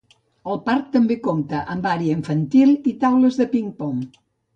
El parc també compta amb àrea infantil i taules de ping-pong.